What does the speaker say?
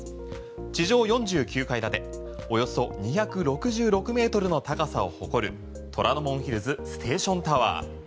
地上４９階建ておよそ２６６ｍの高さを誇る虎ノ門ヒルズステーションタワー。